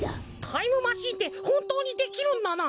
タイムマシーンってほんとうにできるんだな。